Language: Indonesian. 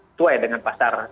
sesuai dengan pasar